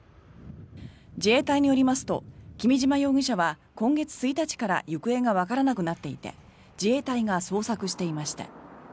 自衛隊によりますと君島容疑者は今月１日から行方がわからなくなっていて自衛隊が捜索していました。